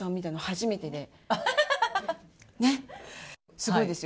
すごいですよ。